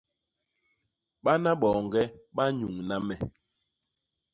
Bana boñge ba nnyuñna mé.